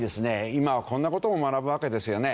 今はこんな事も学ぶわけですよね。